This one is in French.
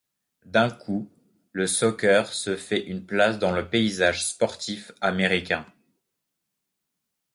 D'un coup, le soccer se fait une place dans le paysage sportif américain.